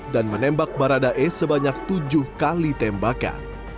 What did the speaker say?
dan menembak baradae sebanyak tujuh kali tembakan